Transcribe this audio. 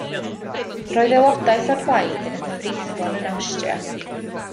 Roedd aelodaeth o'r blaid yn anghyfreithlon yn Awstria.